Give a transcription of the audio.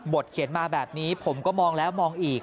เขียนมาแบบนี้ผมก็มองแล้วมองอีก